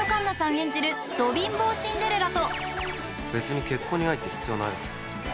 演じるド貧乏シンデレラと別に結婚に愛って必要ないよな